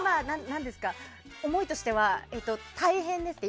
思いとしては、大変ですか？